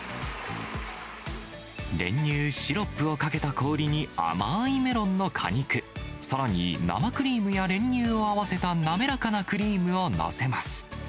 練乳、シロップをかけた氷に甘いメロンの果肉、さらに生クリームや練乳を合わせた滑らかなクリームを載せます。